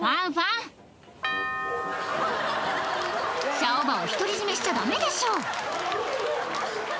シャオバオ独り占めしちゃダメでしょ！